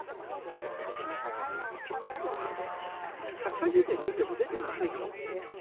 こんなのはね「百科事典」見ても出てませんよ。